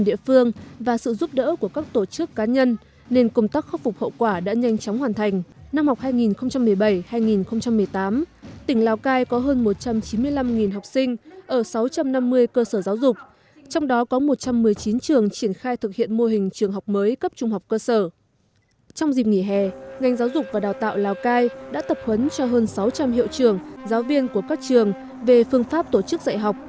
trong dịp nghỉ hè ngành giáo dục và đào tạo lào cai đã tập huấn cho hơn sáu trăm linh hiệu trường giáo viên của các trường về phương pháp tổ chức dạy học